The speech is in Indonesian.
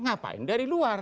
ngapain dari luar